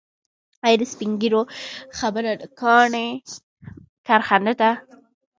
آیا د سپین ږیرو خبره د کاڼي کرښه نه ده؟